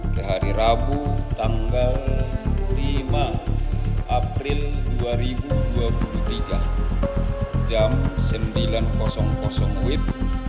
kehari rabu tanggal lima april dua ribu dua puluh tiga jam sembilan wib